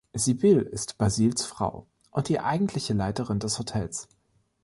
Sybil ist Basils Frau und die eigentliche Leiterin des Hotels.